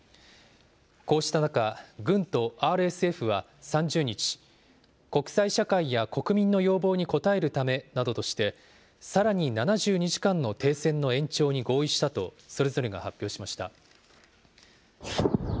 こうした中、軍とＲＳＦは３０日、国際社会や国民の要望に応えるためなどとして、さらに７２時間の停戦の延長に合意したと、それぞれが発表しました。